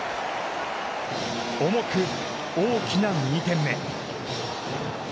重く、大きな２点目。